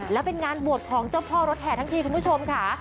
แล้วเป็นงานบวชของเจ้าพ่อรถแห่ทั้งทีคุณผู้ชมค่ะ